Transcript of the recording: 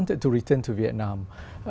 như tôi đã nói trước